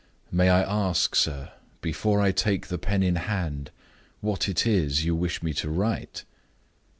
"May I ask, sir, before I take the pen in hand, what it is you wish me to write?"